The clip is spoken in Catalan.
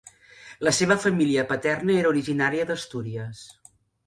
La seva família paterna era originària d’Astúries.